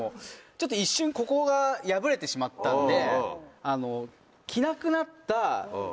ちょっと一瞬ここが破れてしまったんで。